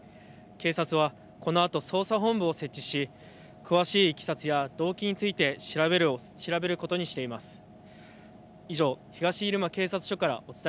警察はこのあと捜査本部を設置し、詳しいいきさつや動機について調べることにしています。